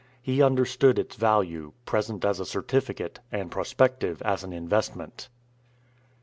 He understood its value, present as a certificate, and prospective as an investment.